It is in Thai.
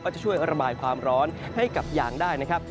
จะช่วยระบายความร้อนให้กับยางได้นะครับ